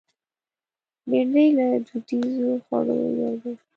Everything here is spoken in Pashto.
بېنډۍ له دودیزو خوړو یو دی